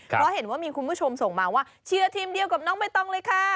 เพราะเห็นว่ามีคุณผู้ชมส่งมาว่าเชียร์ทีมเดียวกับน้องใบตองเลยค่ะ